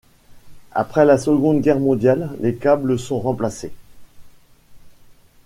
Après la Seconde Guerre mondiale, les câbles sont remplacés.